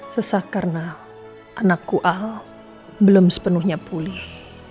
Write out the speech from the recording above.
sesak karena anakku al belum sepenuhnya pulih